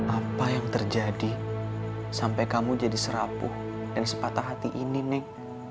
apa yang terjadi sampai kamu jadi serapuh dan sepatah hati ini nek